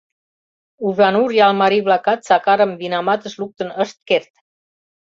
Ужанур ял марий-влакат Сакарым винаматыш луктын ышт керт.